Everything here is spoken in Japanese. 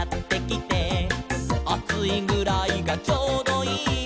「『あついぐらいがちょうどいい』」